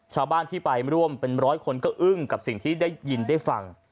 ชาวบ้านที่ไปร่วมเป็นร้อยคนก็อึ้งกับสิ่งที่ได้ยินได้ฟัง